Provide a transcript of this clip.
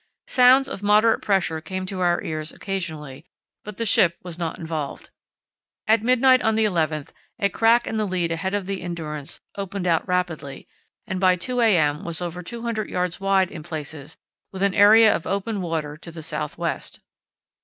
Sounds of moderate pressure came to our ears occasionally, but the ship was not involved. At midnight on the 11th a crack in the lead ahead of the Endurance opened out rapidly, and by 2 a.m. was over 200 yds. wide in places with an area of open water to the south west.